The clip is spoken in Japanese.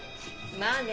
まあね。